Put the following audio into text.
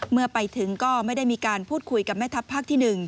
เมื่อไปถึงก็ไม่ได้มีการพูดคุยกับแม่ทัพภาคที่๑